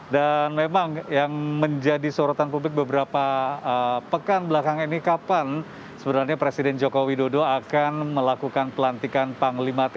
dan memang yang menjadi sorotan publik beberapa pekan belakang ini kapan sebenarnya presiden joko widodo akan melakukan pelantikan panglima tni